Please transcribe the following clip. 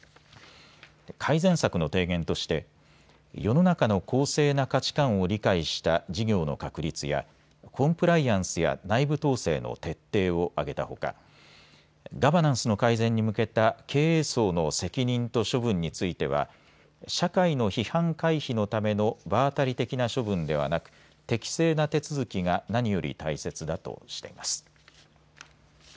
改善策の提言として世の中の公正な価値観を理解した事業の確立やコンプライアンスや内部統制の徹底を挙げたほかガバナンスの改善に向けた経営層の責任と処分については社会の批判回避のための場当たり的な処分ではなく適正な手続きが何より大切だとしています。